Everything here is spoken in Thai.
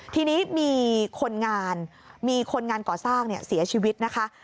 ทีนี้มีคนงานก่อสร้างเสียชีวิต